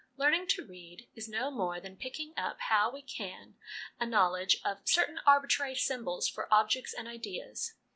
Learning to read is no more than picking up, how we can, a knowledge of certain arbitrary symbols for objects and ideas.